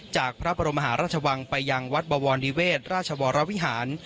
จากพระบรมหาราชวังไปยังวัดบวรนิเวศราชวรวิหาร